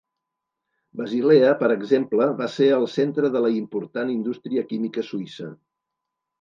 Basilea, per exemple, va ser el centre de la important indústria química suïssa.